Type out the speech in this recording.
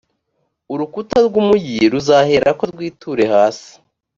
urukuta rw’umugi ruzaherako rwiture hasi.